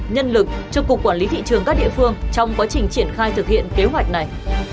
nhân lực cho cục quản lý thị trường các địa phương trong quá trình triển khai thực hiện kế hoạch này